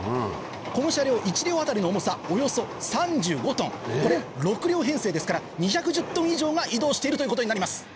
この車両１両当たりの重さおよそ３５トンこれ６両編成ですから２１０トン以上が移動しているということになります